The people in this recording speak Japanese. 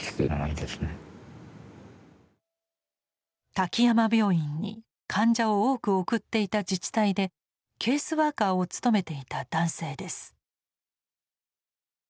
滝山病院に患者を多く送っていた自治体でケースワーカーを務めていた男性です。